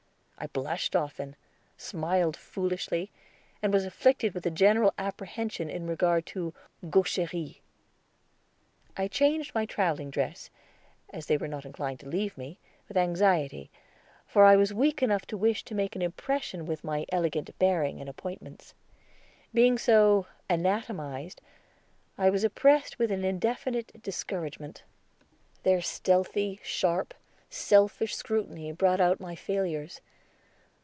I blushed often, smiled foolishly, and was afflicted with a general apprehension in regard to gaucherie. I changed my traveling dress, as they were not inclined to leave me, with anxiety, for I was weak enough to wish to make an impression with my elegant bearing and appointments. Being so anatomized, I was oppressed with an indefinite discouragement. Their stealthy, sharp, selfish scrutiny brought out my failures.